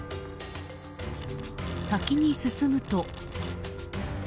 先に進むと。